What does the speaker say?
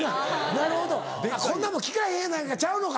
なるほど「こんなの効かへんやないか」ちゃうのか。